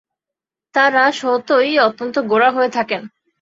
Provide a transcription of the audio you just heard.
তাঁরা স্বতই অত্যন্ত গোঁড়া হয়ে থাকেন।